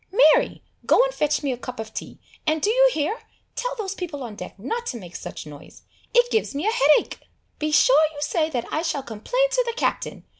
Mary! go and fetch me a cup of tea, and, do you hear! tell those people on deck not to make such a noise it gives me a headache! Be sure you say that I shall complain to the Captain.